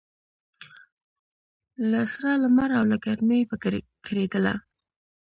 له سره لمر او له ګرمۍ به کړېدله